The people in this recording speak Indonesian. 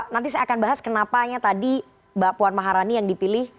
nanti saya akan bahas kenapanya tadi mbak puan maharani yang dipilih